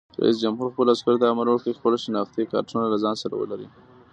رئیس جمهور خپلو عسکرو ته امر وکړ؛ خپل شناختي کارتونه له ځان سره ولرئ!